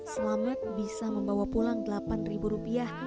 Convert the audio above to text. selamet bisa membawa pulang delapan ribu rupiah